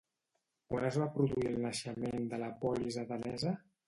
Quan es va produir el naixement de la polis atenesa?